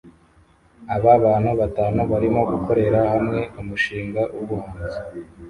Aba bantu batanu barimo gukorera hamwe umushinga wubuhanzi